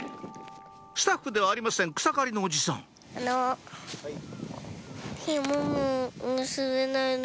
スタッフではありません草刈りのおじさんあの。